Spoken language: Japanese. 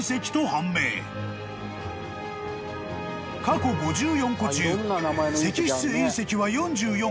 ［過去５４個中石質隕石は４４個］